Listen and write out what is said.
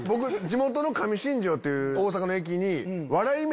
地元の上新庄っていう大阪の駅に。